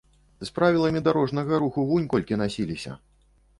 З правіламі дарожнага руху вунь колькі насіліся!